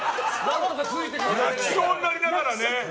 泣きそうになりながらね。